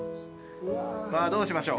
どうしましょう。